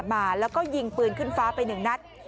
มาแล้วก็ยิงปืนขึ้นฟ้าไปหนึ่งนัด